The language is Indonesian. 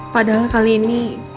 padahal kali ini